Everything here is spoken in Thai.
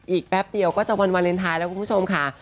แป๊บเดียวก็จะวันวาเลนไทยแล้วคุณผู้ชมค่ะ